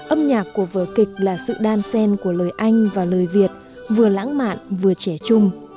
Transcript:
âm nhạc của vở kịch là sự đan sen của lời anh và lời việt vừa lãng mạn vừa trẻ trung